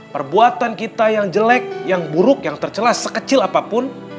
perbuatan kita yang jelek yang buruk yang tercelah sekecil apapun